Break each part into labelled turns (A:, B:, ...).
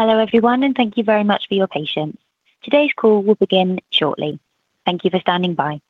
A: Hello everyone, and thank you very much for your patience. Today's call will begin shortly. Thank you for standing by.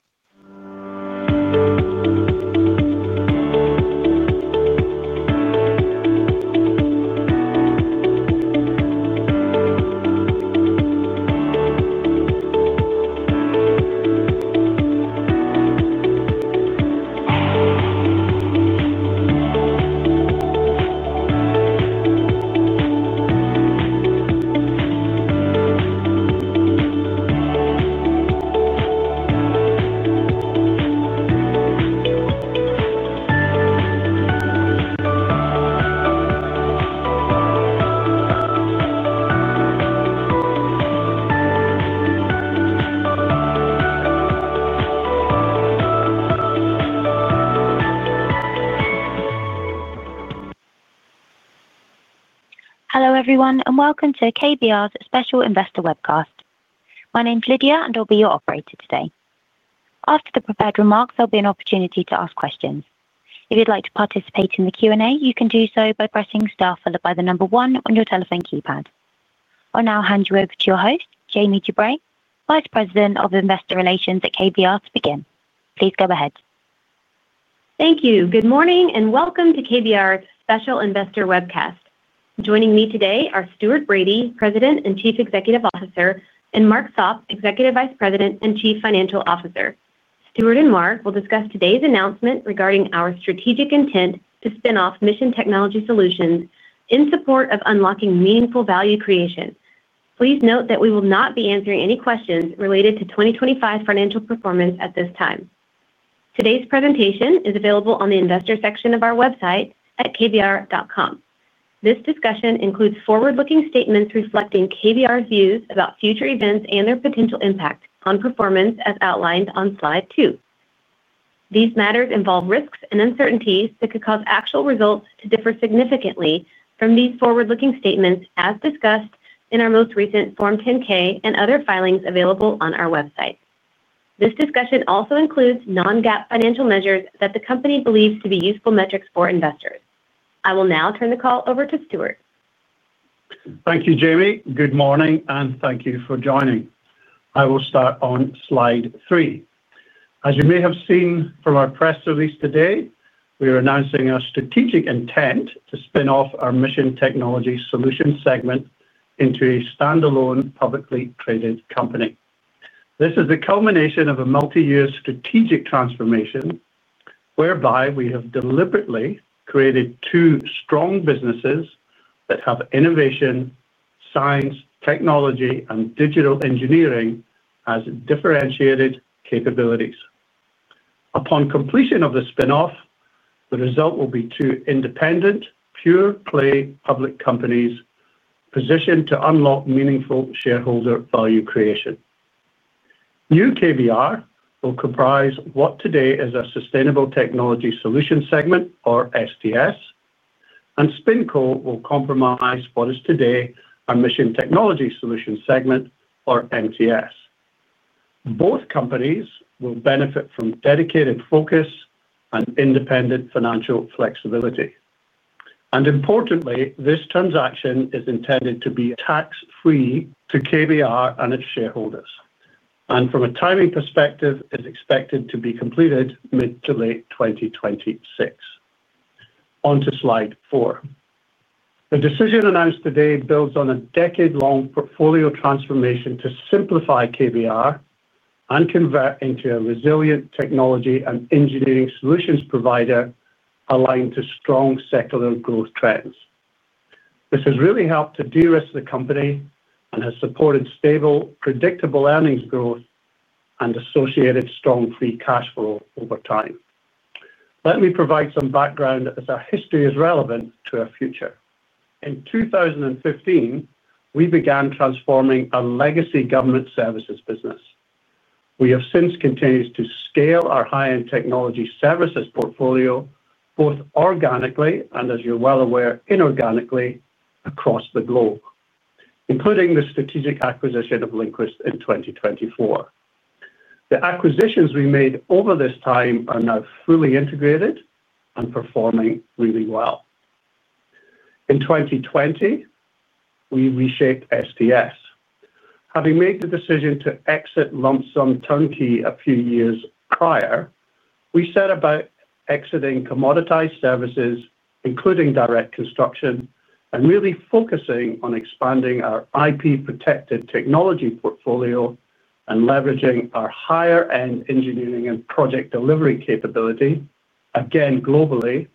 A: Hello everyone, and welcome to KBR's special investor webcast. My name is Lydia, and I'll be your operator today. After the prepared remarks, there'll be an opportunity to ask questions. If you'd like to participate in the Q&A, you can do so by pressing * followed by the number 1 on your telephone keypad. I'll now hand you over to your host, Jamie DuBray, Vice President of Investor Relations at KBR, to begin. Please go ahead.
B: Thank you. Good morning and welcome to KBR's special investor webcast. Joining me today are Stuart Bradie, President and Chief Executive Officer, and Mark Sopp, Executive Vice President and Chief Financial Officer. Stuart and Mark will discuss today's announcement regarding our strategic intent to spin off Mission Technology Solutions in support of unlocking meaningful value creation. Please note that we will not be answering any questions related to 2025 financial performance at this time. Today's presentation is available on the investor section of our website at KBR.com. This discussion includes forward-looking statements reflecting KBR's views about future events and their potential impact on performance as outlined on slide 2. These matters involve risks and uncertainties that could cause actual results to differ significantly from these forward-looking statements as discussed in our most recent Form 10-K and other filings available on our website. This discussion also includes non-GAAP financial measures that the company believes to be useful metrics for investors. I will now turn the call over to Stuart.
C: Thank you, Jamie. Good morning, and thank you for joining. I will start on slide 3. As you may have seen from our press release today, we are announcing our strategic intent to spin off our Mission Technology Solutions segment into a standalone publicly traded company. This is the culmination of a multi-year strategic transformation whereby we have deliberately created two strong businesses that have innovation, science, technology, and digital engineering as differentiated capabilities. Upon completion of the spin-off, the result will be two independent, pure-play public companies positioned to unlock meaningful shareholder value creation. New KBR will comprise what today is a Sustainable Technology Solutions segment, or STS, and SpinCo will comprise what is today a Mission Technology Solutions segment, or MTS. Both companies will benefit from dedicated focus and independent financial flexibility. Importantly, this transaction is intended to be tax-free to KBR and its shareholders, and from a timing perspective, it is expected to be completed mid to late 2026. On to slide 4. The decision announced today builds on a decade-long portfolio transformation to simplify KBR and convert into a resilient technology and engineering solutions provider aligned to strong secular growth trends. This has really helped to de-risk the company and has supported stable, predictable earnings growth and associated strong free cash flow over time. Let me provide some background as our history is relevant to our future. In 2015, we began transforming a legacy government services business. We have since continued to scale our high-end technology services portfolio both organically and, as you're well aware, inorganically across the globe, including the strategic acquisition of LINQUIST in 2024. The acquisitions we made over this time are now fully integrated and performing really well. In 2020, we reshaped STS. Having made the decision to exit lump sum turnkey a few years prior, we set about exiting commoditized services, including direct construction, and really focusing on expanding our IP-protected technology portfolio and leveraging our higher-end engineering and project delivery capability, again globally,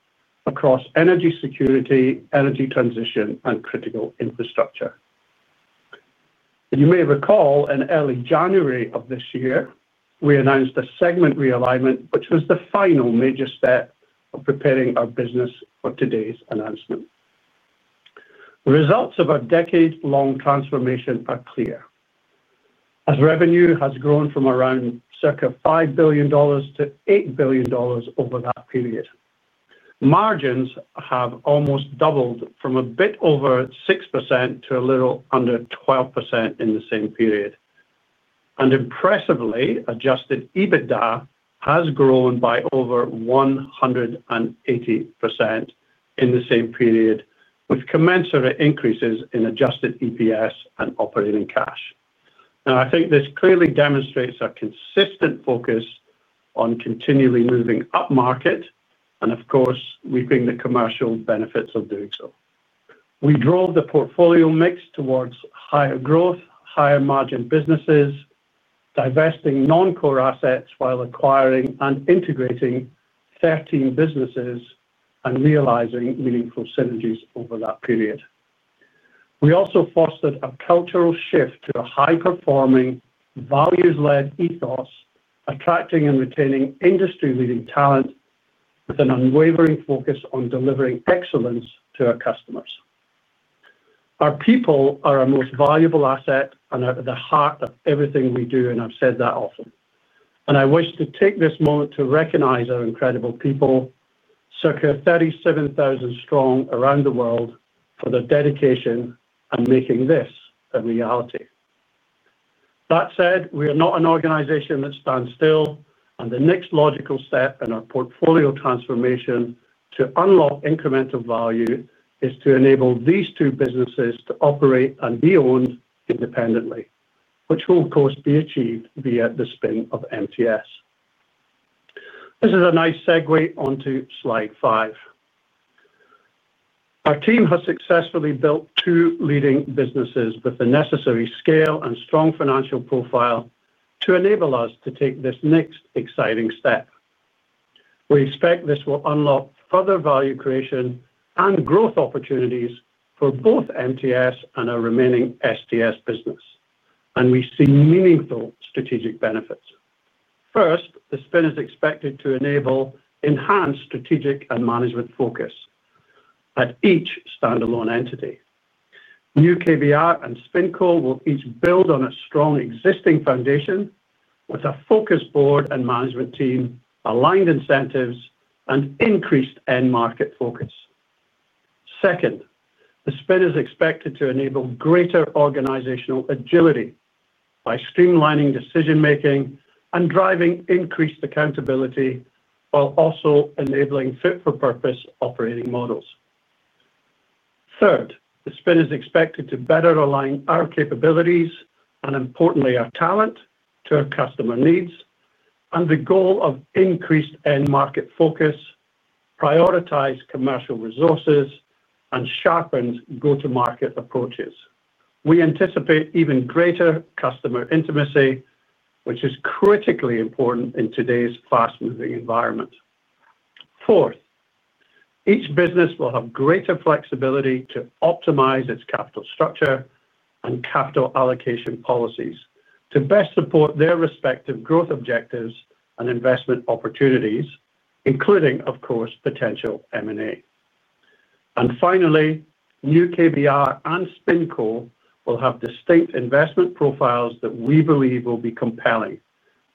C: across energy security, energy transition, and critical infrastructure. You may recall in early January of this year, we announced a segment realignment, which was the final major step in preparing our business for today's announcement. The results of our decade-long transformation are clear. As revenue has grown from around circa $5 billion to $8 billion over that period, margins have almost doubled from a bit over 6% to a little under 12% in the same period. Impressively, adjusted EBITDA has grown by over 180% in the same period, with commensurate increases in adjusted EPS and operating cash. I think this clearly demonstrates our consistent focus on continually moving up market and, of course, reaping the commercial benefits of doing so. We drove the portfolio mix towards higher growth, higher margin businesses, divesting non-core assets while acquiring and integrating 13 businesses and realizing meaningful synergies over that period. We also fostered a cultural shift to a high-performing, values-led ethos, attracting and retaining industry-leading talent with an unwavering focus on delivering excellence to our customers. Our people are our most valuable asset and are at the heart of everything we do, and I've said that often. I wish to take this moment to recognize our incredible people, circa 37,000 strong around the world, for their dedication and making this a reality. That said, we are not an organization that stands still, and the next logical step in our portfolio transformation to unlock incremental value is to enable these two businesses to operate and be owned independently, which will, of course, be achieved via the spin of MTS. This is a nice segue onto slide 5. Our team has successfully built two leading businesses with the necessary scale and strong financial profile to enable us to take this next exciting step. We expect this will unlock further value creation and growth opportunities for both MTS and our remaining STS business, and we see meaningful strategic benefits. First, the spin is expected to enable enhanced strategic and management focus at each standalone entity. New KBR and SpinCo will each build on a strong existing foundation with a focused board and management team, aligned incentives, and increased end-market focus. Second, the spin is expected to enable greater organizational agility by streamlining decision-making and driving increased accountability while also enabling fit-for-purpose operating models. Third, the spin is expected to better align our capabilities and, importantly, our talent to our customer needs and the goal of increased end-market focus, prioritized commercial resources, and sharpened go-to-market approaches. We anticipate even greater customer intimacy, which is critically important in today's fast-moving environment. Fourth, each business will have greater flexibility to optimize its capital structure and capital allocation policies to best support their respective growth objectives and investment opportunities, including, of course, potential M&A. Finally, New KBR and SpinCo will have distinct investment profiles that we believe will be compelling,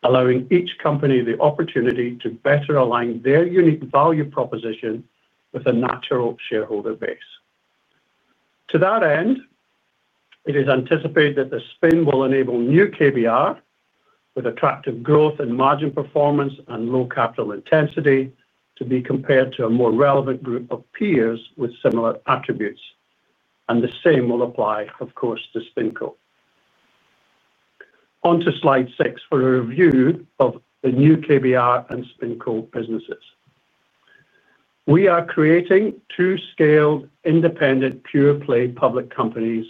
C: allowing each company the opportunity to better align their unique value proposition with a natural shareholder base. To that end, it is anticipated that the spin will enable New KBR, with attractive growth and margin performance and low capital intensity, to be compared to a more relevant group of peers with similar attributes. The same will apply, of course, to SpinCo. On to slide 6 for a review of the New KBR and SpinCo businesses. We are creating two scaled, independent, pure-play public companies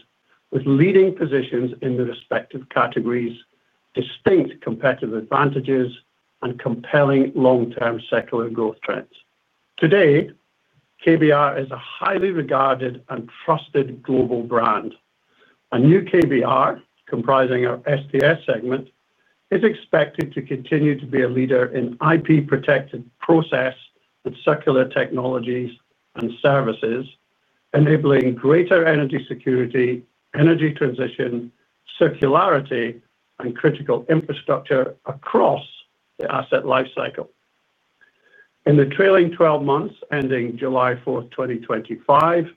C: with leading positions in the respective categories, distinct competitive advantages, and compelling long-term secular growth trends. Today, KBR is a highly regarded and trusted global brand, and New KBR, comprising our STS segment, is expected to continue to be a leader in IP-protected process and circular technologies and services, enabling greater energy security, energy transition, circularity, and critical infrastructure across the asset lifecycle. In the trailing 12 months ending July 4, 2025,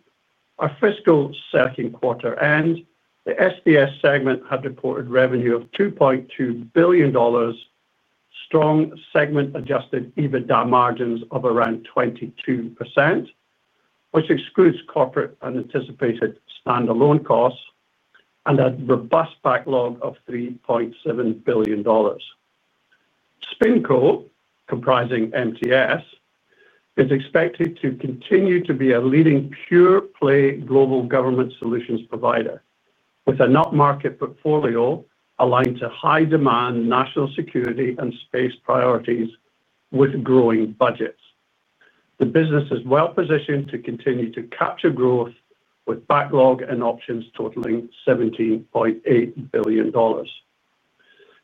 C: our fiscal second quarter ends, the STS segment had reported revenue of $2.2 billion, strong segment-adjusted EBITDA margins of around 22%, which excludes corporate and anticipated standalone costs, and a robust backlog of $3.7 billion. SpinCo, comprising MTS, is expected to continue to be a leading pure-play global government solutions provider with a not-market portfolio aligned to high-demand national security and space priorities with growing budgets. The business is well-positioned to continue to capture growth with a backlog and options totaling $17.8 billion.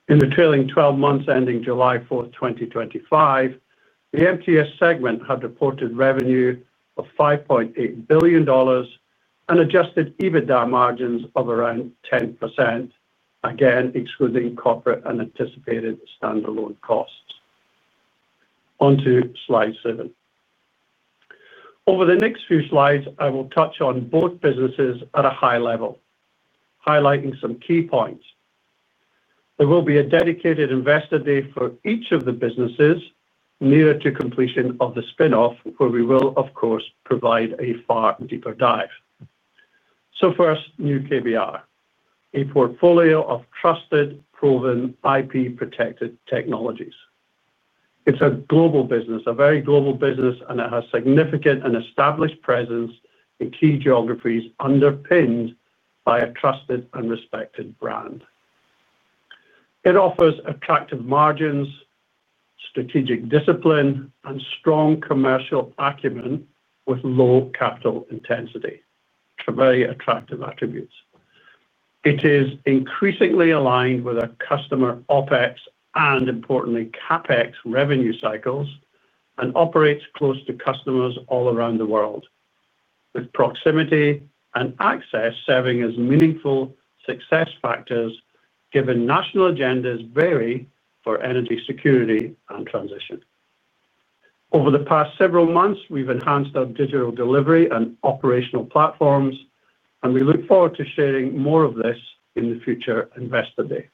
C: In the trailing 12 months ending July 4, 2025, the MTS segment had reported revenue of $5.8 billion and adjusted EBITDA margins of around 10%, again excluding corporate and anticipated standalone costs. On to slide 7. Over the next few slides, I will touch on both businesses at a high level, highlighting some key points. There will be a dedicated investor day for each of the businesses near to completion of the spin-off, where we will, of course, provide a far deeper dive. First, New KBR, a portfolio of trusted, proven IP-protected technologies. It's a global business, a very global business, and it has significant and established presence in key geographies underpinned by a trusted and respected brand. It offers attractive margins, strategic discipline, and strong commercial acumen with low capital intensity, so very attractive attributes. It is increasingly aligned with our customer OpEx and, importantly, CapEx revenue cycles and operates close to customers all around the world, with proximity and access serving as meaningful success factors, given national agendas vary for energy security and transition. Over the past several months, we've enhanced our digital delivery and operational platforms, and we look forward to sharing more of this in the future investor day.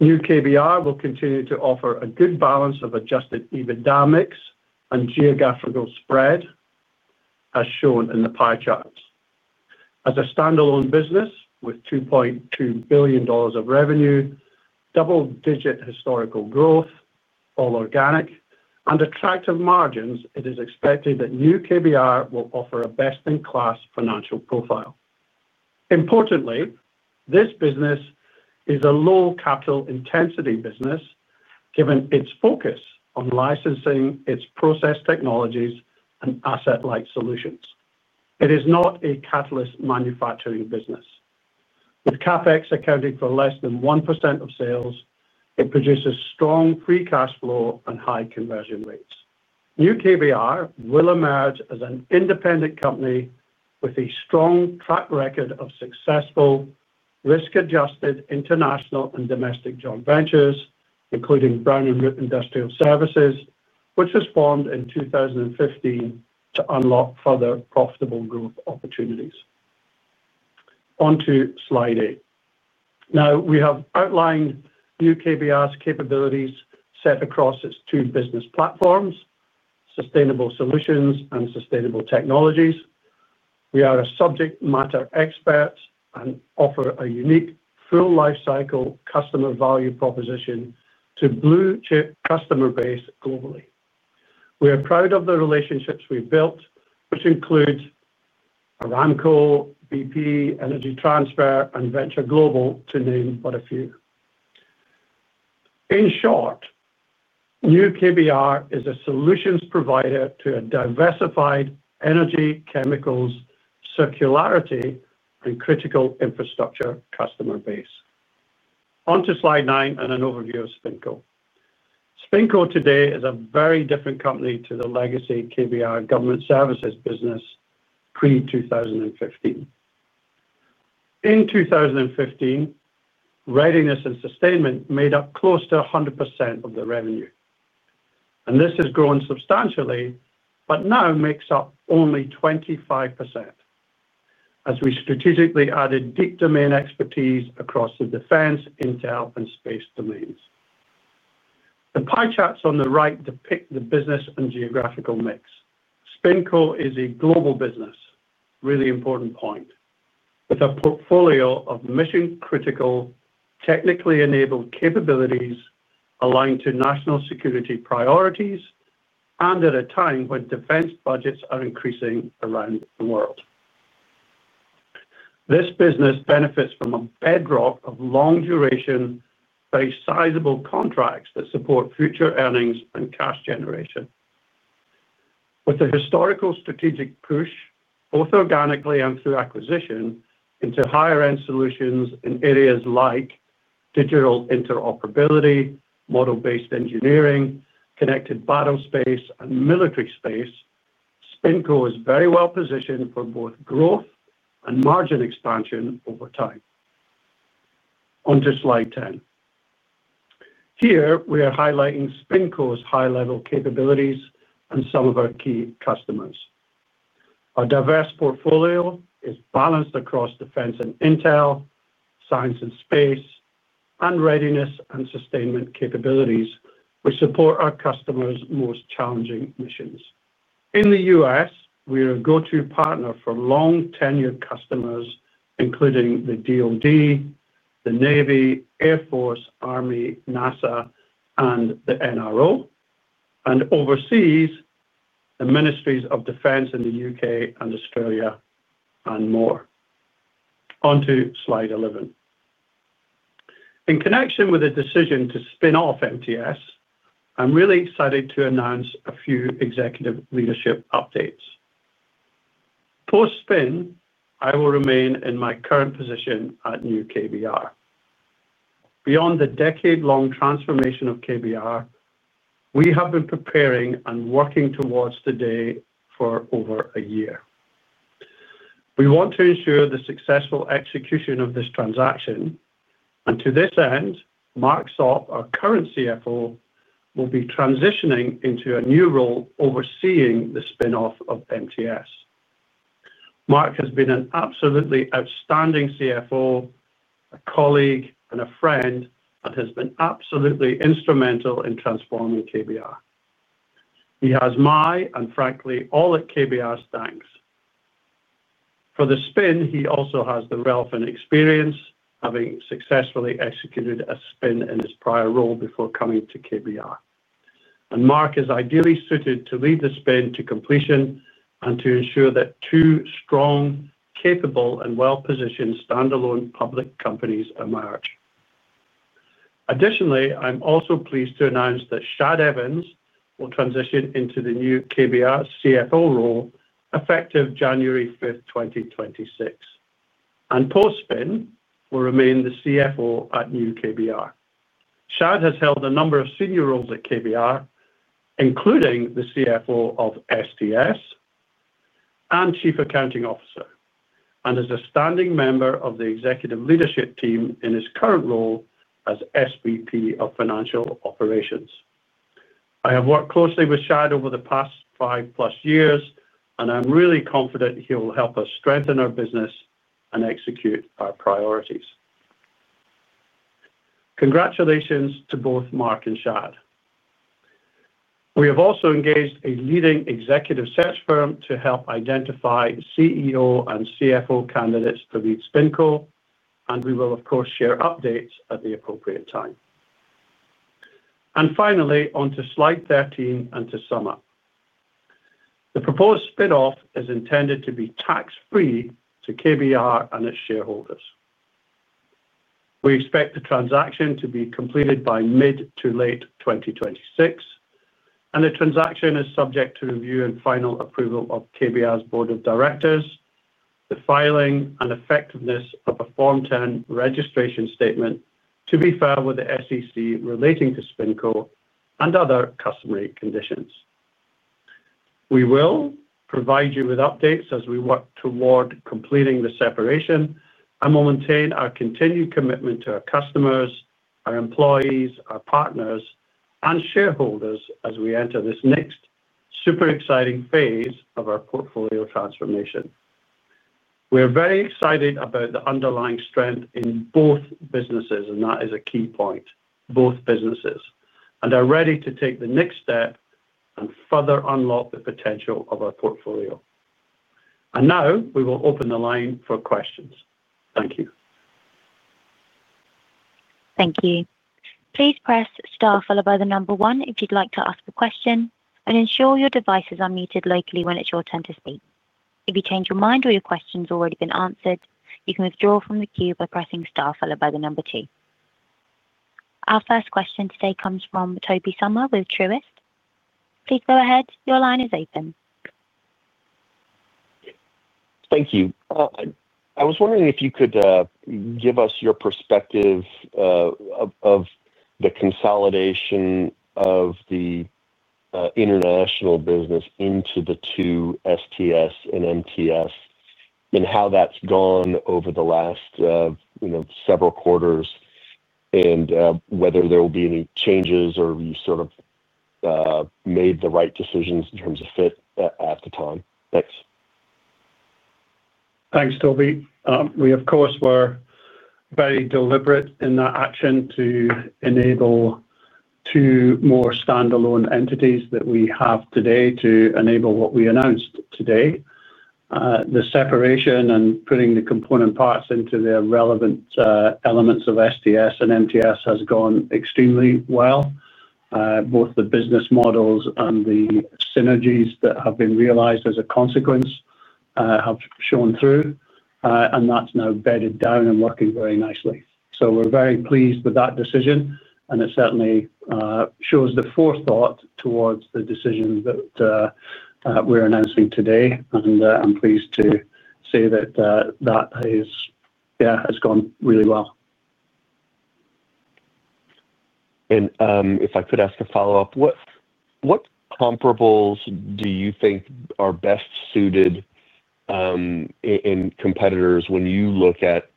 C: New KBR will continue to offer a good balance of adjusted EBITDA mix and geographical spread, as shown in the pie charts. As a standalone business with $2.2 billion of revenue, double-digit historical growth, all organic, and attractive margins, it is expected that New KBR will offer a best-in-class financial profile. Importantly, this business is a low-capital intensity business, given its focus on licensing its process technologies and asset-like solutions. It is not a catalyst manufacturing business. With CapEx accounting for less than 1% of sales, it produces strong free cash flow and high conversion rates. New KBR will emerge as an independent company with a strong track record of successful risk-adjusted international and domestic joint ventures, including Brennan Industrial Services, which was formed in 2015 to unlock further profitable growth opportunities. On to slide 8. We have outlined New KBR's capabilities set across its two business platforms, Sustainable Solutions and Sustainable Technologies. We are a subject matter expert and offer a unique full lifecycle customer value proposition to blue-chip customer base globally. We are proud of the relationships we've built, which includes Aramco, BP, Energy Transfer, and Venture Global, to name but a few. In short, New KBR is a solutions provider to a diversified energy chemicals, circularity, and critical infrastructure customer base. On to slide 9 and an overview of SpinCo. SpinCo today is a very different company to the legacy KBR government services business pre-2015. In 2015, readiness and sustainment made up close to 100% of the revenue, and this has grown substantially, but now makes up only 25% as we strategically added deep domain expertise across the defense, intel, and space domains. The pie charts on the right depict the business and geographical mix. SpinCo is a global business, really important point, with a portfolio of mission-critical, technically enabled capabilities aligned to national security priorities at a time when defense budgets are increasing around the world. This business benefits from a bedrock of long-duration, very sizable contracts that support future earnings and cash generation. With a historical strategic push, both organically and through acquisition, into higher-end solutions in areas like digital interoperability, model-based engineering, connected battlespace, and military space, SpinCo is very well positioned for both growth and margin expansion over time. On to slide 10. Here, we are highlighting SpinCo's high-level capabilities and some of our key customers. Our diverse portfolio is balanced across defense and intel, science and space, and readiness and sustainment capabilities, which support our customers' most challenging missions. In the U.S., we are a go-to partner for long-tenured customers, including the U.S. Department of Defense, the Navy, Air Force, Army, NASA, and the NRO, and overseas the Ministries of Defense in the UK and Australia, and more. On to slide 11. In connection with the decision to spin off MTS, I'm really excited to announce a few executive leadership updates. Post-spin, I will remain in my current position at New KBR. Beyond the decade-long transformation of KBR, we have been preparing and working towards the day for over a year. We want to ensure the successful execution of this transaction, and to this end, Mark Sopp, our current CFO, will be transitioning into a new role overseeing the spin-off of MTS. Mark has been an absolutely outstanding CFO, a colleague, and a friend, and has been absolutely instrumental in transforming KBR. He has my, and frankly, all of KBR's thanks. For the spin, he also has the wealth and experience having successfully executed a spin in his prior role before coming to KBR. Mark is ideally suited to lead the spin to completion and to ensure that two strong, capable, and well-positioned standalone public companies emerge. Additionally, I'm also pleased to announce that Shad Evans will transition into the New KBR CFO role effective January 5th, 2026. Post-spin, he will remain the CFO at New KBR. Shad has held a number of senior roles at KBR, including the CFO of STS and Chief Accounting Officer, and is a standing member of the Executive Leadership Team in his current role as SVP of Financial Operations. I have worked closely with Shad over the past five-plus years, and I'm really confident he will help us strengthen our business and execute our priorities. Congratulations to both Mark and Shad. We have also engaged a leading executive search firm to help identify CEO and CFO candidates for SpinCo, and we will, of course, share updates at the appropriate time. Finally, on to slide 13 and to sum up. The proposed spin-off is intended to be tax-free to KBR and its shareholders. We expect the transaction to be completed by mid to late 2026, and the transaction is subject to review and final approval of KBR's Board of Directors, the filing and effectiveness of a Form 10 registration statement to be filed with the SEC relating to SpinCo, and other customary conditions. We will provide you with updates as we work toward completing the separation and will maintain our continued commitment to our customers, our employees, our partners, and shareholders as we enter this next super exciting phase of our portfolio transformation. We are very excited about the underlying strength in both businesses, and that is a key point. Both businesses are ready to take the next step and further unlock the potential of our portfolio. Now, we will open the line for questions. Thank you.
A: Thank you. Please press * followed by the number 1 if you'd like to ask a question, and ensure your devices are muted locally when it's your turn to speak. If you change your mind or your question's already been answered, you can withdraw from the queue by pressing * followed by the number 2. Our first question today comes from Toby Summer with Truist. Please go ahead. Your line is open.
D: Thank you. I was wondering if you could give us your perspective of the consolidation of the international business into the two STS and MTS and how that's gone over the last several quarters, and whether there will be any changes or you sort of made the right decisions in terms of fit at the time. Thanks.
C: Thanks, Toby. We, of course, were very deliberate in that action to enable two more standalone entities than we have today to enable what we announced today. The separation and putting the component parts into the relevant elements of STS and MTS has gone extremely well. Both the business models and the synergies that have been realized as a consequence have shown through, and that's now bedded down and working very nicely. We're very pleased with that decision, and it certainly shows the forethought towards the decision that we're announcing today, and I'm pleased to say that has gone really well. What comparables do you think are best suited, in competitors when you look at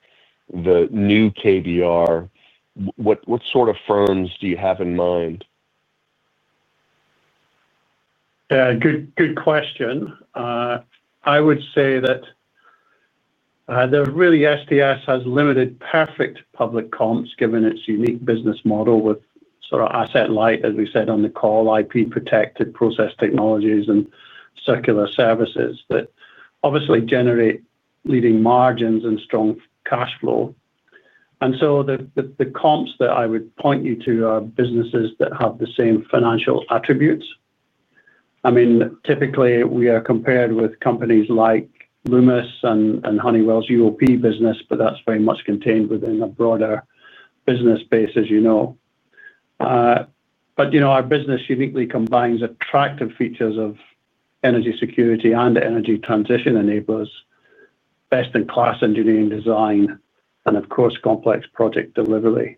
C: the New KBR? What sort of firms do you have in mind? Yeah, good question. I would say that STS has limited perfect public comps given its unique business model with sort of asset-light, as we said on the call, IP-protected process technologies and circular services that obviously generate leading margins and strong cash flow. The comps that I would point you to are businesses that have the same financial attributes. Typically, we are compared with companies like Lummus and Honeywell's UOP business, but that's very much contained within a broader business base, as you know. Our business uniquely combines attractive features of energy security and energy transition, enables best-in-class engineering design, and, of course, complex project delivery.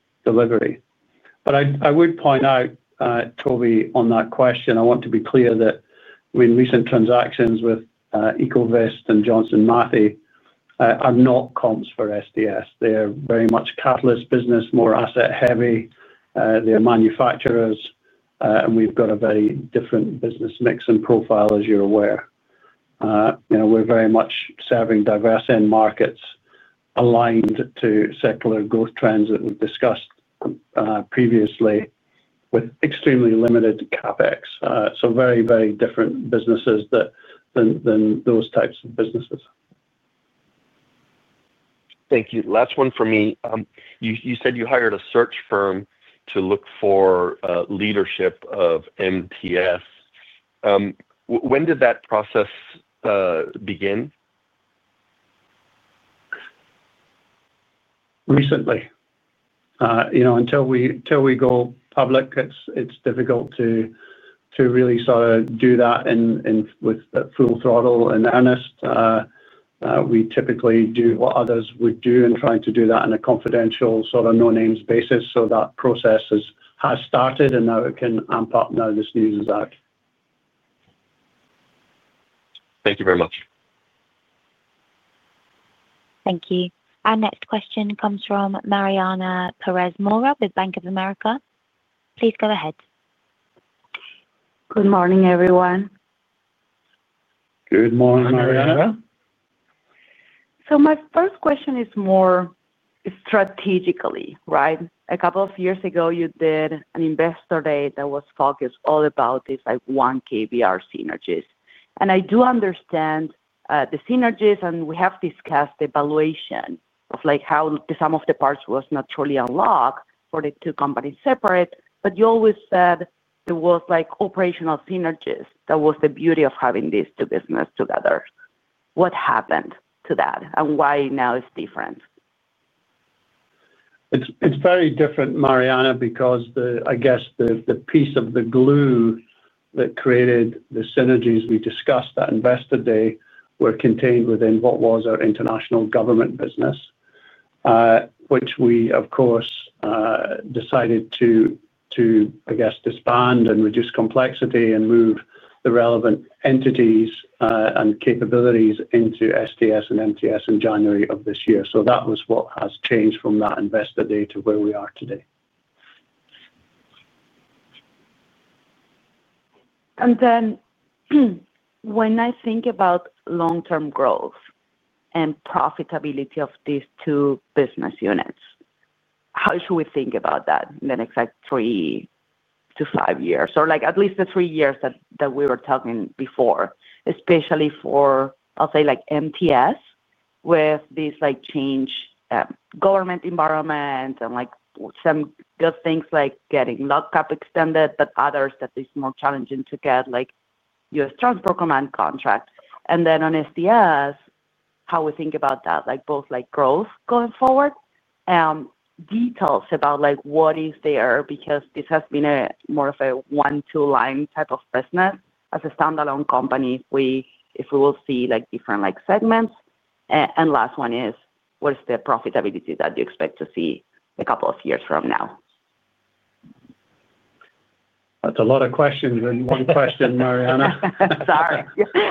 C: I would point out, Toby, on that question, I want to be clear that in recent transactions with Ecovyst and Johnson Matthey, they're not comps for STS. They're very much a catalyst business, more asset-heavy. They're manufacturers, and we've got a very different business mix and profile, as you're aware. We're very much serving diverse end markets aligned to secular growth trends that we've discussed previously with extremely limited CapEx. Very, very different businesses than those types of businesses. Thank you. Last one from me. You said you hired a search firm to look for leadership of MTS. When did that process begin? Recently, you know, until we go public, it's difficult to really sort of do that with full throttle and earnest. We typically do what others would do and try to do that on a confidential sort of no-names basis. That process has started, and now it can amp up. Now this news is out. Thank you very much.
A: Thank you. Our next question comes from Mariana Perez-Mora with Bank of America. Please go ahead.
E: Good morning, everyone.
C: Good morning, Mariana.
E: My first question is more strategically, right? A couple of years ago, you did an investor day that was focused all about this, like, one KBR synergies. I do understand the synergies, and we have discussed the valuation of, like, how some of the parts were naturally unlocked for the two companies separate. You always said it was, like, operational synergies. That was the beauty of having these two businesses together. What happened to that and why now it's different?
C: It's very different, Mariana, because I guess the piece of the glue that created the synergies we discussed at investor day were contained within what was our international government business, which we, of course, decided to disband and reduce complexity and move the relevant entities and capabilities into STS and MTS in January of this year. That was what has changed from that investor day to where we are today.
E: When I think about long-term growth and profitability of these two business units, how should we think about that in the next three to five years, or at least the three years that we were talking before, especially for, I'll say, MTS with this changed government environment and some good things like getting lockup extended, but others that it's more challenging to get, like, U.S. Transport Command contracts. On STS, how we think about that, both growth going forward and details about what is there because this has been more of a one-two-line type of business. As a standalone company, if we will see different segments. Last one is, what is the profitability that you expect to see a couple of years from now?
C: That's a lot of questions in one question, Mariana.
E: Sorry,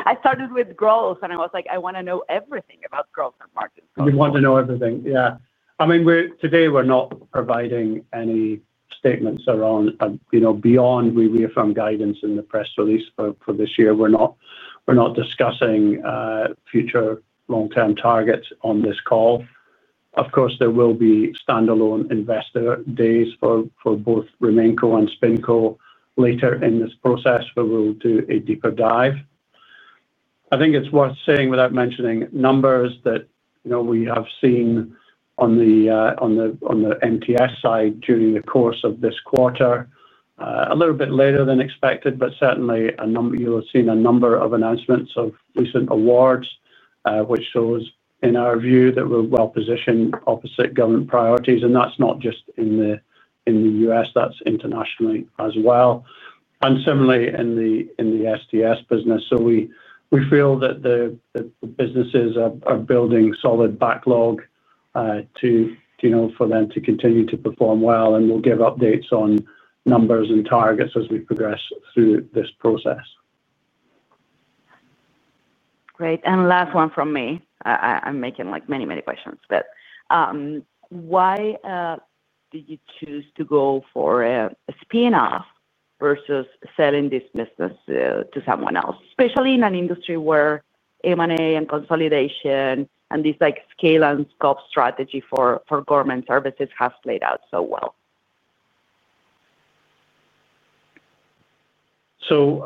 E: I started with growth. I was like, I want to know everything about growth and market.
C: You'd want to know everything. Yeah. I mean, today we're not providing any statements around, you know, beyond we reaffirm guidance in the press release for this year. We're not discussing future long-term targets on this call. Of course, there will be standalone investor days for both New KBR and SpinCo later in this process where we'll do a deeper dive. I think it's worth saying without mentioning numbers that, you know, we have seen on the Mission Technology Solutions side during the course of this quarter, a little bit later than expected, but certainly you're seeing a number of announcements of recent awards, which shows, in our view, that we're well-positioned opposite government priorities. That's not just in the U.S., that's internationally as well. Similarly, in the Sustainable Technology Solutions business, we feel that the businesses are building solid backlog for them to continue to perform well. We'll give updates on numbers and targets as we progress through this process.
E: Great. Last one from me. I'm making, like, many, many questions, but why did you choose to go for a spin-off versus selling this business to someone else, especially in an industry where M&A and consolidation and this, like, scale and scope strategy for government services has played out so well?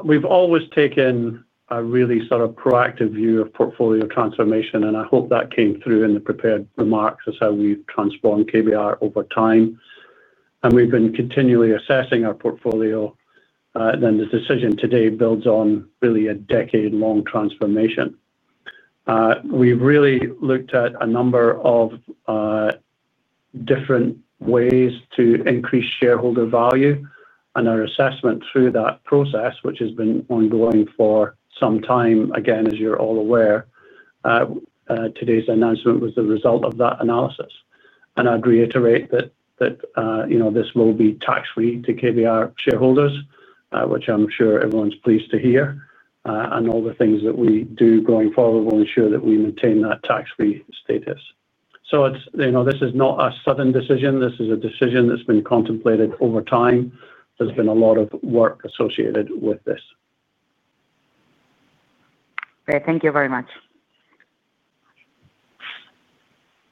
C: We've always taken a really sort of proactive view of portfolio transformation, and I hope that came through in the prepared remarks as how we transform KBR over time. We've been continually assessing our portfolio, and the decision today builds on really a decade-long transformation. We've really looked at a number of different ways to increase shareholder value, and our assessment through that process, which has been ongoing for some time, again, as you're all aware, today's announcement was the result of that analysis. I'd reiterate that, you know, this will be tax-free to KBR shareholders, which I'm sure everyone's pleased to hear. All the things that we do going forward will ensure that we maintain that tax-free status. This is not a sudden decision. This is a decision that's been contemplated over time. There's been a lot of work associated with this. Great, thank you very much.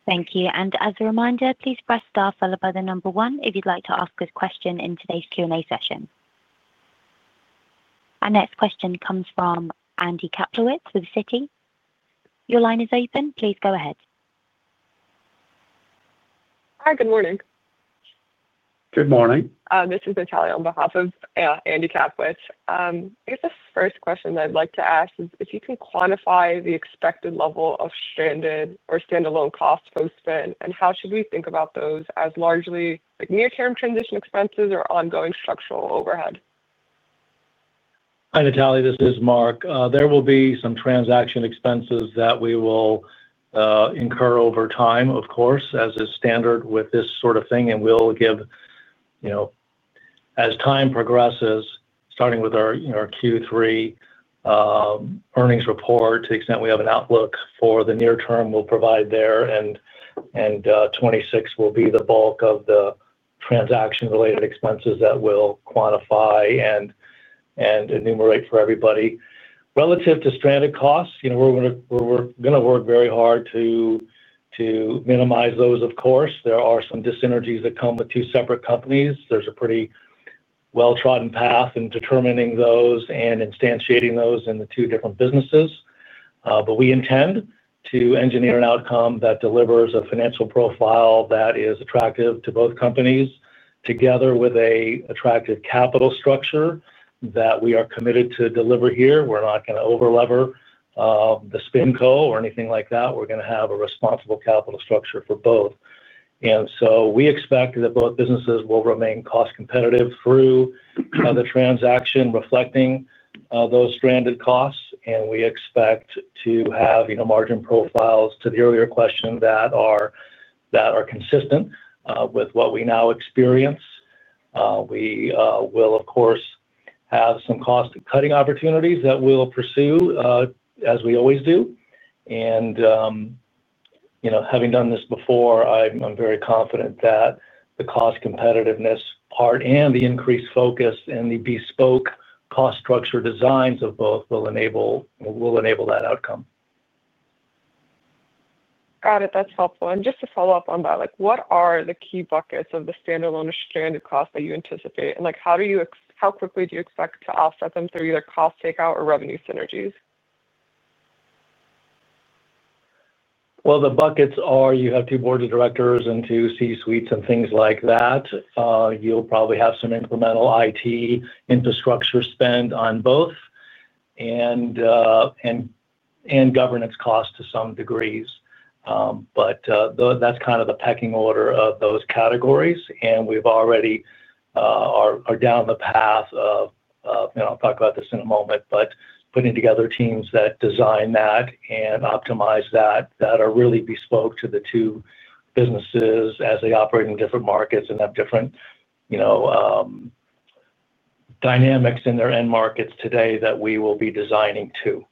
A: Thank you. As a reminder, please press * followed by the number 1 if you'd like to ask a question in today's Q&A session. Our next question comes from Andy Kaplowicz with Citi. Your line is open. Please go ahead.
F: Hi. Good morning.
C: Good morning.
F: This is Natalia on behalf of Andy Kaplowicz. I guess the first question that I'd like to ask is if you can quantify the expected level of stranded or standalone costs post-spin, and how should we think about those as largely near-term transition expenses or ongoing structural overhead?
G: Hi, Natalia. This is Mark. There will be some transaction expenses that we will incur over time, of course, as is standard with this sort of thing. We'll give, as time progresses, starting with our Q3 earnings report, to the extent we have an outlook for the near term, we'll provide there. In 2026, the bulk of the transaction-related expenses that we'll quantify and enumerate for everybody will occur. Relative to stranded costs, we're going to work very hard to minimize those, of course. There are some dis-synergies that come with two separate companies. There's a pretty well-trodden path in determining those and instantiating those in the two different businesses. We intend to engineer an outcome that delivers a financial profile that is attractive to both companies, together with an attractive capital structure that we are committed to deliver here. We're not going to overlever the SpinCo or anything like that. We're going to have a responsible capital structure for both. We expect that both businesses will remain cost-competitive through the transaction reflecting those stranded costs. We expect to have margin profiles, to the earlier question, that are consistent with what we now experience. We will, of course, have some cost-cutting opportunities that we'll pursue, as we always do. Having done this before, I'm very confident that the cost-competitiveness part and the increased focus and the bespoke cost structure designs of both will enable that outcome. Got it. That's helpful. Just to follow up on that, what are the key buckets of the standalone or stranded costs that you anticipate? How quickly do you expect to offset them through either cost takeout or revenue synergies? The buckets are you have two Board of Directors and two C-suites and things like that. You'll probably have some incremental IT infrastructure spend on both and governance costs to some degrees. That's kind of the pecking order of those categories. We've already are down the path of, you know, I'll talk about this in a moment, but putting together teams that design that and optimize that that are really bespoke to the two businesses as they operate in different markets and have different, you know, dynamics in their end markets today that we will be designing to.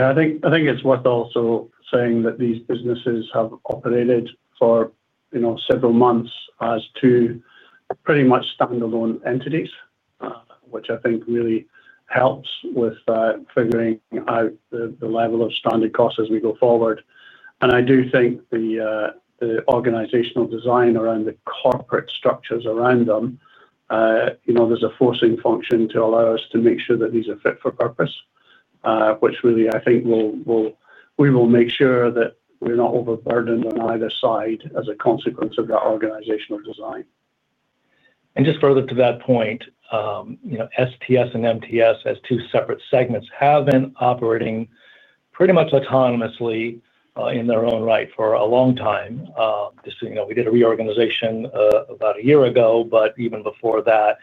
C: I think it's worth also saying that these businesses have operated for several months as two pretty much standalone entities, which I think really helps with figuring out the level of stranded costs as we go forward. I do think the organizational design around the corporate structures around them, there's a forcing function to allow us to make sure that these are fit for purpose, which really, I think, we will make sure that we're not overburdened on either side as a consequence of that organizational design.
G: Further to that point, you know, STS and MTS, as two separate segments, have been operating pretty much autonomously in their own right for a long time. Just so you know, we did a reorganization about a year ago, but even before that,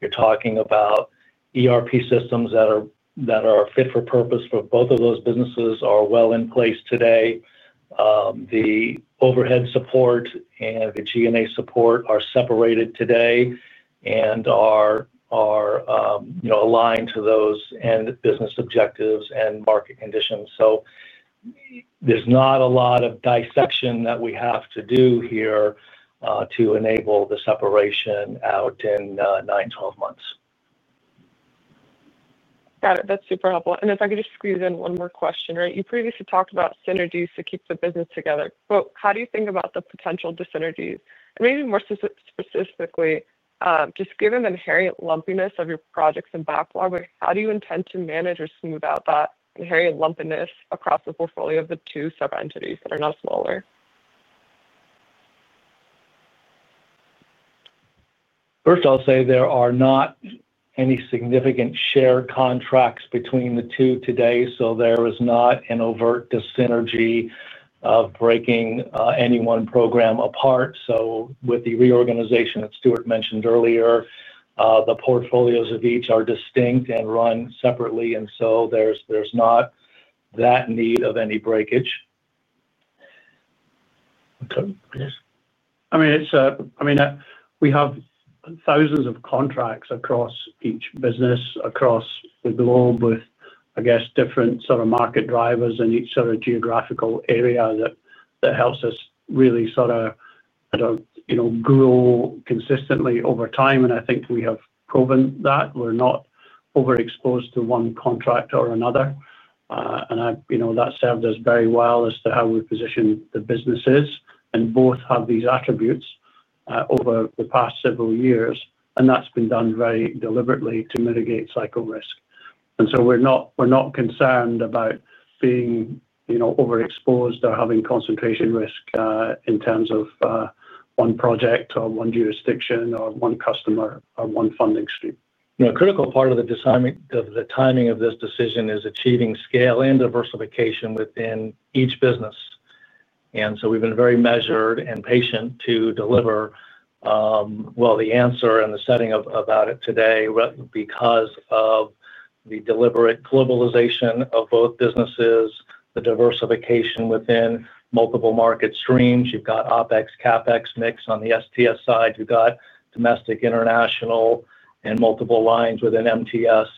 G: you're talking about ERP systems that are fit for purpose for both of those businesses and are well in place today. The overhead support and the G&A support are separated today and are aligned to those end business objectives and market conditions. There is not a lot of dissection that we have to do here to enable the separation out in 9 to 12 months. Got it. That's super helpful. If I could just squeeze in one more question, right? You previously talked about synergies to keep the business together. How do you think about the potential dis-synergies? Maybe more specifically, just given the inherent lumpiness of your projects and backlog, how do you intend to manage or smooth out that inherent lumpiness across the portfolio of the two sub-entities that are now smaller? First, I'll say there are not any significant shared contracts between the two today, so there is not an overt dis-synergy of breaking any one program apart. With the reorganization that Stuart mentioned earlier, the portfolios of each are distinct and run separately, and so there's not that need of any breakage.
C: We have thousands of contracts across each business across the globe with different sort of market drivers in each sort of geographical area that helps us really grow consistently over time. I think we have proven that. We're not overexposed to one contractor or another. That served us very well as to how we position the businesses. Both have these attributes over the past several years, and that's been done very deliberately to mitigate cycle risk. We're not concerned about being overexposed or having concentration risk in terms of one project or one jurisdiction or one customer or one funding stream.
G: A critical part of the timing of this decision is achieving scale and diversification within each business. We've been very measured and patient to deliver the answer and the setting about it today because of the deliberate globalization of both businesses, the diversification within multiple market streams. You've got OpEx, CapEx mix on the STS side. You've got domestic, international, and multiple lines within MTS.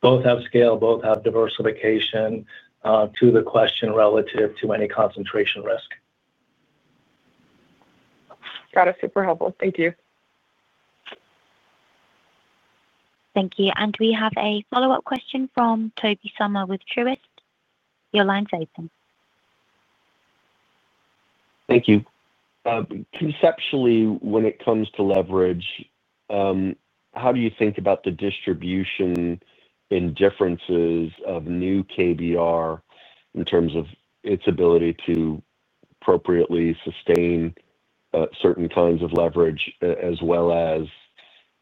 G: Both have scale, both have diversification to the question relative to any concentration risk.
F: Got it. Super helpful. Thank you.
A: Thank you. We have a follow-up question from Toby Summer with Truist. Your line's open.
D: Thank you. Conceptually, when it comes to leverage, how do you think about the distribution and differences of New KBR in terms of its ability to appropriately sustain certain kinds of leverage as well as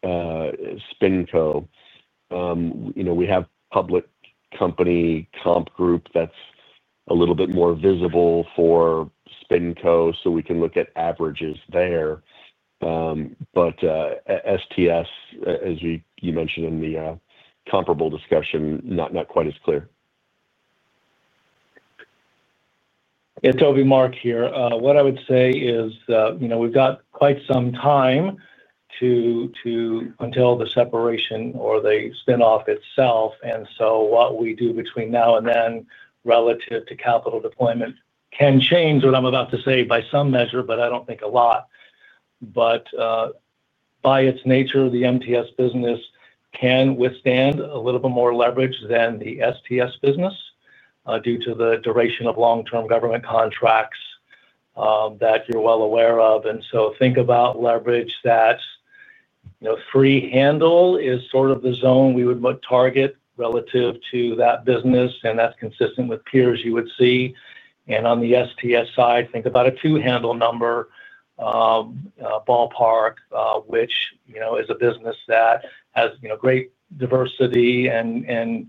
D: SpinCo? We have a public company comp group that's a little bit more visible for SpinCo, so we can look at averages there. STS, as you mentioned in the comparable discussion, not quite as clear.
G: Yeah, Toby, Mark here. What I would say is, we've got quite some time until the separation or the spin-off itself. What we do between now and then relative to capital deployment can change what I'm about to say by some measure, but I don't think a lot. By its nature, the Mission Technology Solutions business can withstand a little bit more leverage than the Sustainable Technology Solutions business due to the duration of long-term government contracts that you're well aware of. Think about leverage that's, you know, three-handle is sort of the zone we would target relative to that business, and that's consistent with peers you would see. On the Sustainable Technology Solutions side, think about a two-handle number ballpark, which is a business that has great diversity and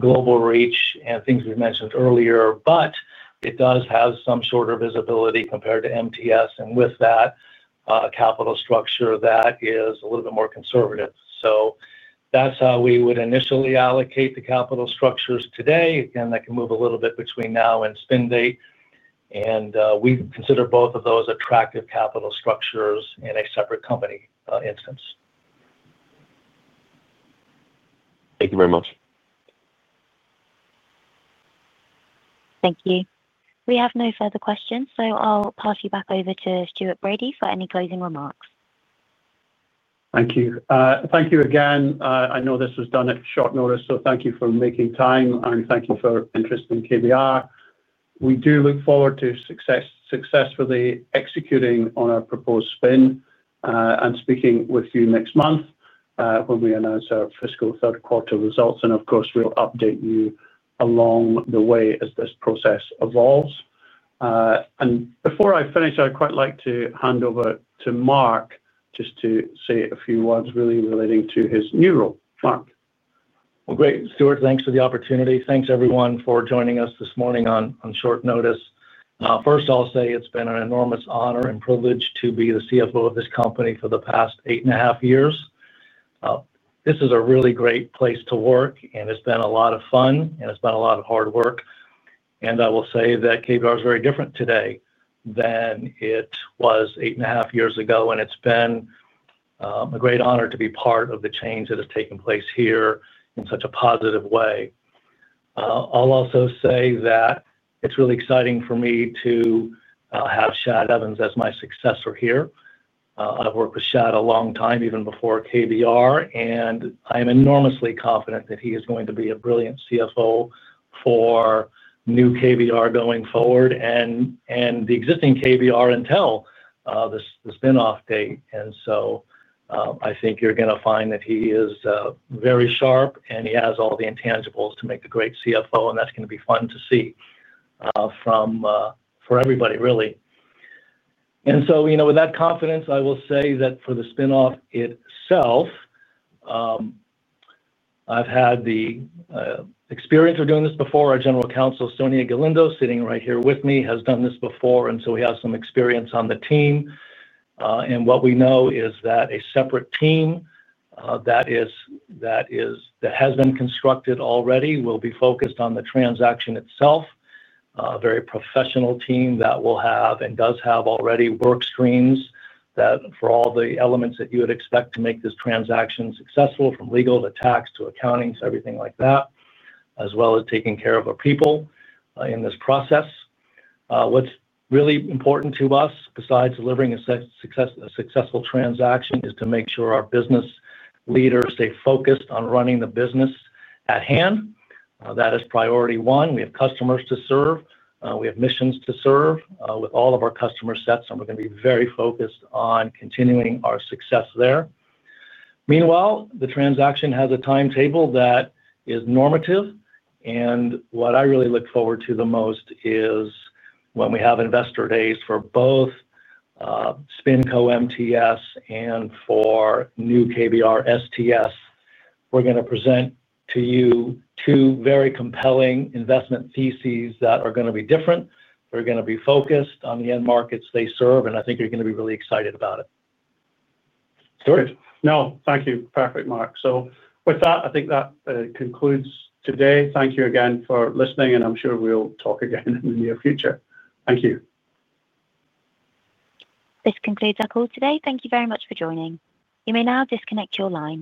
G: global reach and things we've mentioned earlier. It does have some shorter visibility compared to Mission Technology Solutions and with that, a capital structure that is a little bit more conservative. That's how we would initially allocate the capital structures today. Again, that can move a little bit between now and spin date. We consider both of those attractive capital structures in a separate company instance. Thank you very much.
A: Thank you. We have no further questions, so I'll pass you back over to Stuart Bradie for any closing remarks.
C: Thank you. Thank you again. I know this was done at short notice, so thank you for making time, and thank you for interesting KBR. We do look forward to successfully executing on our proposed spin and speaking with you next month when we announce our fiscal third quarter results. Of course, we'll update you along the way as this process evolves. Before I finish, I'd quite like to hand over to Mark just to say a few words really relating to his new role. Mark.
G: Stuart, thanks for the opportunity. Thanks, everyone, for joining us this morning on short notice. First, I'll say it's been an enormous honor and privilege to be the CFO of this company for the past eight and a half years. This is a really great place to work, and it's been a lot of fun, and it's been a lot of hard work. I will say that KBR is very different today than it was eight and a half years ago, and it's been a great honor to be part of the change that has taken place here in such a positive way. I'll also say that it's really exciting for me to have Shad Evans as my successor here. I've worked with Shad a long time, even before KBR, and I am enormously confident that he is going to be a brilliant CFO for New KBR going forward and the existing KBR until the spin-off date. I think you're going to find that he is very sharp, and he has all the intangibles to make a great CFO, and that's going to be fun to see for everybody, really. With that confidence, I will say that for the spin-off itself, I've had the experience of doing this before. Our General Counsel, Sonia Galindo, sitting right here with me, has done this before, and we have some experience on the team. What we know is that a separate team that has been constructed already will be focused on the transaction itself, a very professional team that will have and does have already work screens for all the elements that you would expect to make this transaction successful, from legal to tax to accounting to everything like that, as well as taking care of our people in this process. What's really important to us, besides delivering a successful transaction, is to make sure our business leaders stay focused on running the business at hand. That is priority one. We have customers to serve. We have missions to serve with all of our customer sets, and we're going to be very focused on continuing our success there. Meanwhile, the transaction has a timetable that is normative, and what I really look forward to the most is when we have investor days for both SpinCo MTS and for New KBR STS. We're going to present to you two very compelling investment theses that are going to be different. They're going to be focused on the end markets they serve, and I think you're going to be really excited about it.
C: Great. No, thank you. Perfect, Mark. With that, I think that concludes today. Thank you again for listening, and I'm sure we'll talk again in the near future. Thank you.
A: This concludes our call today. Thank you very much for joining. You may now disconnect your line.